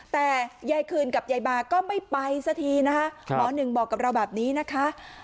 แต่ยายคืนกับยายบาก็ไม่ไปสักทีนะคะหมอหนึ่งบอกกับเราแบบนี้นะคะ